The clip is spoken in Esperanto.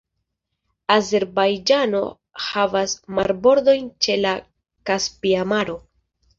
Azerbajĝano havas marbordojn ĉe la Kaspia Maro.